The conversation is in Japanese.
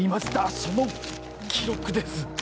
その記録です。